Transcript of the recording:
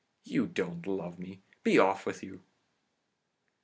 * You don't love me! Be off with you!